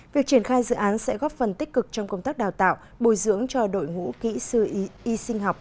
việc triển khai dự án sẽ góp phần tích cực trong công tác đào tạo bồi dưỡng cho đội ngũ kỹ sư y sinh học